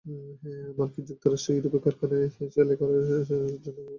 মার্কিন যুক্তরাষ্ট্র ও ইউরোপের কারখানায় সেলাই করার জন্য রোবট সংযোজন করেছেন উদ্যোক্তারা।